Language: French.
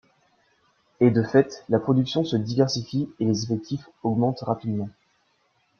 Et de fait, la production se diversifie et les effectifs augmentent rapidement.